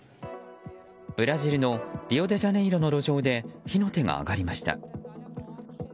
ブラジルのリオデジャネイロの路上で火の手が上がりました。